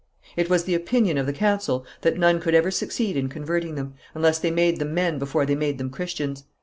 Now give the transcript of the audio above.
It was the opinion of the council that none could ever succeed in converting them, unless they made them men before they made them Christians.